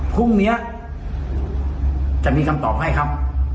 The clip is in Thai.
พรุ่งนี้จะมีคำตอบให้ครับ